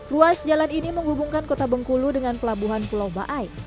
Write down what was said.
ruas jalan ini menghubungkan kota bengkulu dengan pelabuhan pulau baai